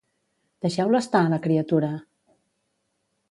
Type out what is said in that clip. Deixeu-la estar, la criatura!